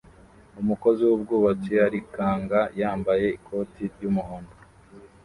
umukozi wubwubatsi arikanga yambaye ikoti ry'umuhondo